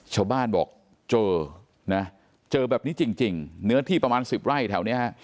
ชาวบ้านบอกเจอนะเจอแบบนี้จริงเนื้อที่ประมาณ๑๐ไร่แถวนี้ฮะ